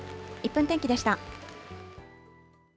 １分天気でした。